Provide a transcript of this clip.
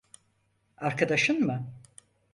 Arkadaşın mı?